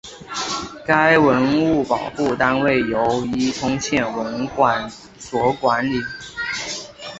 该文物保护单位由伊通县文管所管理。